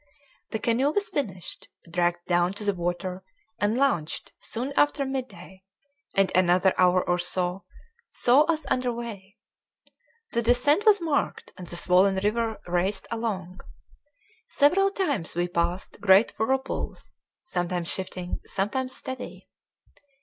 The canoe was finished, dragged down to the water, and launched soon after midday, and another hour or so saw us under way. The descent was marked, and the swollen river raced along. Several times we passed great whirlpools, sometimes shifting, sometimes steady.